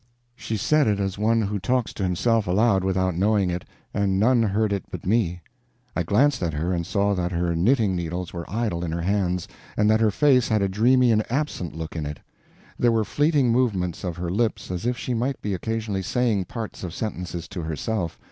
She said it as one who talks to himself aloud without knowing it, and none heard it but me. I glanced at her and saw that her knitting needles were idle in her hands, and that her face had a dreamy and absent look in it. There were fleeting movements of her lips as if she might be occasionally saying parts of sentences to herself.